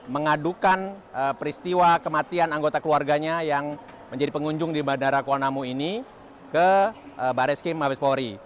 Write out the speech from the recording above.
mengadukan peristiwa kematian anggota keluarganya yang menjadi pengunjung di bandara kuala namu ini ke baris krim mabespori